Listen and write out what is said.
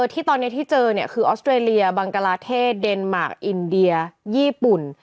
ที่ตอนนี้ที่เจอคือออสเตรเลียบังกลาเทศเดนมาร์คอินเดียญี่ปุ่น